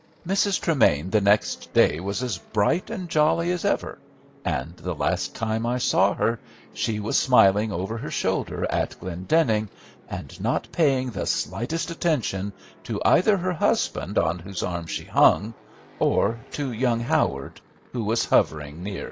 Mrs. Tremain the next day was as bright and jolly as ever, and the last time I saw her, she was smiling over her shoulder at Glendenning, and not paying the slightest attention to either her husband on whose arm she hung, or to young Howard, who was hovering near.